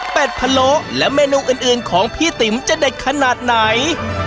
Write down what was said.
เป็ดผลโลกน์และเมนูอื่นของพี่ติ๋มจะได้ขนาดไหน